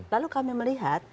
lalu kami melihat